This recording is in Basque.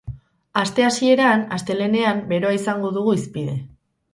Aste hasieran, astelehenean, beroa izango dugu hizpide.